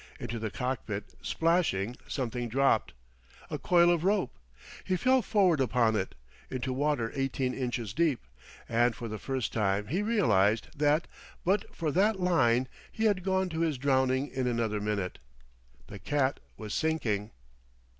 Into the cockpit, splashing, something dropped a coil of rope. He fell forward upon it, into water eighteen inches deep; and for the first time realized that, but for that line, he had gone to his drowning in another minute. The cat was sinking.